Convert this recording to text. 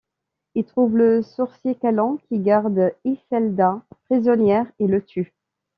Il trouve le sorcier Kalan qui garde Yisselda prisonnière et le tue.